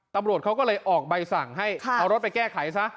ตำรวจเขาก็เลยออกใบสั่งให้เอารถไปแก้ไขซะ